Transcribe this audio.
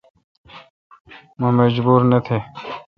مہ مجبور نہ تھ۔